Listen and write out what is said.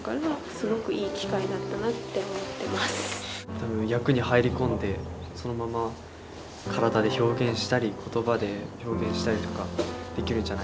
多分役に入り込んでそのまま体で表現したり言葉で表現したりとかできるんじゃないかなって思います。